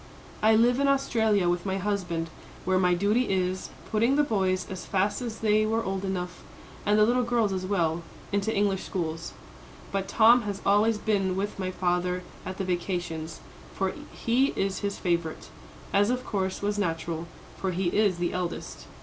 "I live in Australia with my husband, where my duty is, putting the boys as fast as they were old enough, and the little girls as well, into English schools. But Tom has always been with my father at the vacations, for he is his favourite, as of course was natural, for he is the eldest.